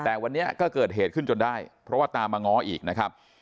แต่วันนี้ก็เกิดเหตุขึ้นจนได้เพราะว่าตามมาง้ออีกนะครับ